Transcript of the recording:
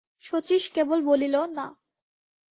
শচীশ কেবল বলিল, না।